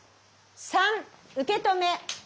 ３受け止め。